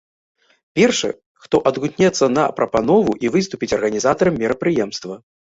Першы, хто адгукнецца на прапанову, і выступіць арганізатарам мерапрыемства.